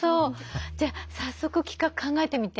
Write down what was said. じゃあ早速企画考えてみて。